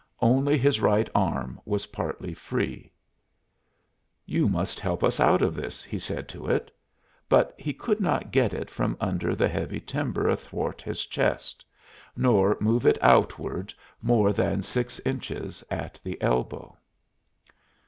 Only his right arm was partly free. "You must help us out of this," he said to it. But he could not get it from under the heavy timber athwart his chest, nor move it outward more than six inches at the elbow.